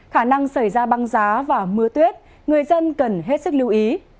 khả năng xảy ra băng giá và mưa tuyết người dân cần hết sức lưu ý